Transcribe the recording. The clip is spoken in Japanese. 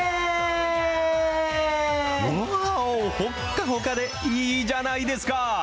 ほっかほかでいいじゃないですか。